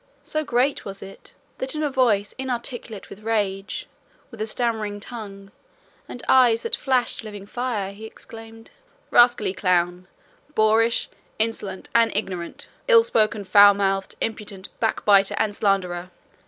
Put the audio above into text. So great was it, that in a voice inarticulate with rage, with a stammering tongue, and eyes that flashed living fire, he exclaimed, "Rascally clown, boorish, insolent, and ignorant, ill spoken, foul mouthed, impudent backbiter and slanderer!